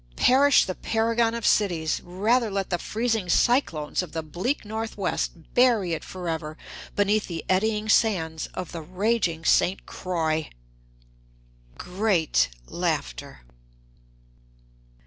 Perish the paragon of cities! Rather let the freezing cyclones of the bleak Northwest bury it forever beneath the eddying sands of the raging St. Croix! (Great laughter.)